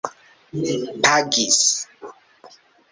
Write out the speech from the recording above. pagis